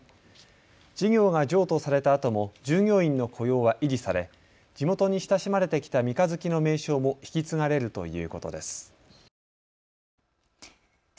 事業が譲渡されたあとも従業員の雇用は維持され地元に親しまれてきた三日月の名称も引き継がれるということです。